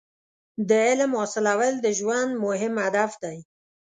• د علم حاصلول د ژوند مهم هدف دی.